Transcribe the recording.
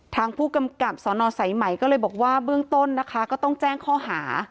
ทางผู้กำกับศหนอใส่ใหม่ก็เลยบอกว่าเบื้องต้นก็ต้องแจ้งข้อหา